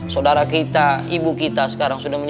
saudara kita ibu kita sekarang sudah